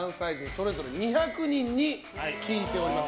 それぞれ２００人に聞いております